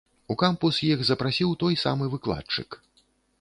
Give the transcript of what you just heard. У кампус іх запрасіў той самы выкладчык.